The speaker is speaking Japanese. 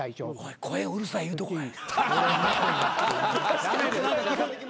・声うるさい言うてこい。